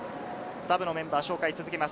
サブのメンバーをご紹介します。